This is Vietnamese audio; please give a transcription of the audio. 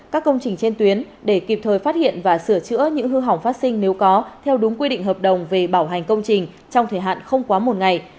các công trình trên tuyến để kịp thời phát hiện và sửa chữa những hư hỏng phát sinh nếu có theo đúng quy định hợp đồng về bảo hành công trình trong thời hạn không quá một ngày